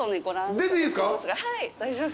出ていいですか？